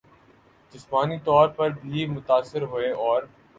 جسمانی طور پر بھی متاثر ہوئیں اور